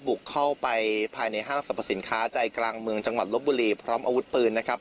บุกเข้าไปภายในห้างสรรพสินค้าใจกลางเมืองจังหวัดลบบุรีพร้อมอาวุธปืนนะครับ